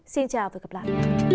xin chào và gặp lại